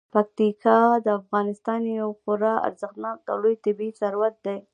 پکتیکا د افغانستان یو خورا ارزښتناک او لوی طبعي ثروت دی.